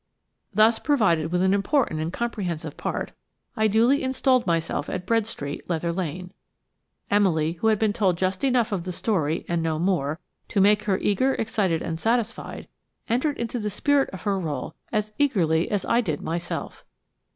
Thus provided with an important and comprehensive part, I duly installed myself at Bread Street, Leather Lane. Emily–who had been told just enough of the story, and no more, to make her eager, excited and satisfied–entered into the spirit of her rôle as eagerly as I did myself.